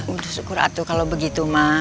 udah syukur atuh kalau begitu ma